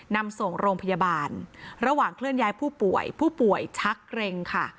นำส่งโรงพยาบาลระหว่างเคลื่อนย้ายผู้ป่วยผู้ป่วยชักเกร็งค่ะ